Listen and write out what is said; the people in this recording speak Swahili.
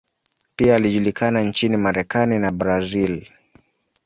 Pia alijulikana nchini Marekani na Brazil.